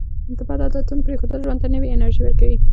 د بدو عادتونو پرېښودل ژوند ته نوې انرژي ورکوي.